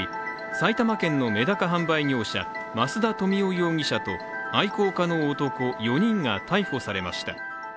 埼玉県のめだか販売業者、増田富男容疑者と愛好家の男４人が逮捕されました。